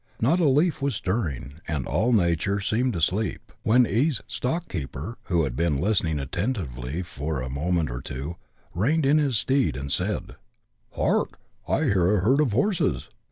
Not a Iciif was stirring, ami all nature stHMuetl asletip, when Ji 'y stockkeeper, who had Ikh'u listening attentively for a moment or two, i*eined in his steetl, and siiid —" Hark ! I hear a henl of luu^es."